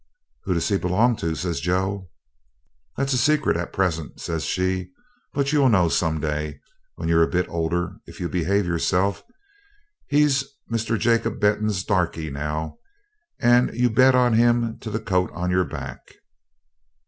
'Who does he belong to?' says Joe. 'That's a secret at present,' says she; 'but you'll know some day, when you're a bit older, if you behave yourself. He's Mr. Jacob Benton's Darkie now, and you bet on him to the coat on your back.'